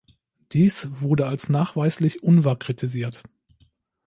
Dies wurde als nachweislich unwahr kritisiert.